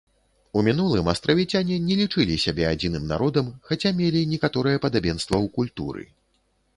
У мінулым астравіцяне не лічылі сябе адзіным народам, хаця мелі некаторае падабенства ў культуры.